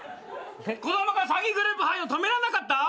子供が詐欺グループ入るの止めらんなかった？